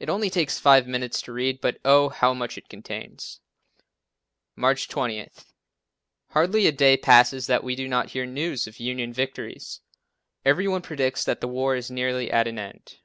It only takes five minutes to read it but, oh, how much it contains. March 20. Hardly a day passes that we do not hear news of Union victories. Every one predicts that the war is nearly at an end.